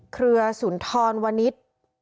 เครือศุนธรวนิรินิสต์